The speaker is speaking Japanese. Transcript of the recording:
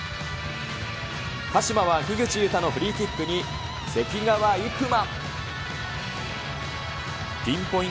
鹿島は樋口雄太のフリーキックに、関川郁万。